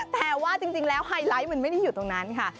แต่ว่าจริงแล้วไฮไลท์มันไม่ได้อยู่ตรงนั้นค่ะ